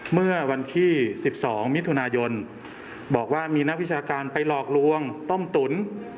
เมื่อวันขี้สิบสองมิถุนายนบอกว่ามีนาภิกษาการไปหลอกลวงต้มตุ๋น